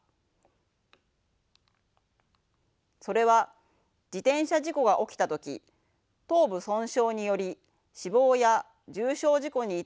それは自転車事故が起きた時頭部損傷により死亡や重傷事故に至るおそれが大きいからです。